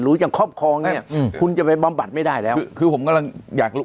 หรือยังครอบครองเนี้ยอืมคุณจะไปบำบัดไม่ได้แล้วคือคือผมกำลังอยากรู้